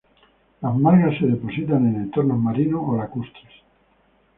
Las margas se depositan en entornos marinos o lacustres.